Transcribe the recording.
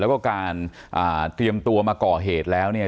แล้วก็การเตรียมตัวมาก่อเหตุแล้วเนี่ย